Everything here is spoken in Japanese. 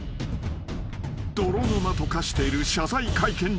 ［泥沼と化している謝罪会見場に］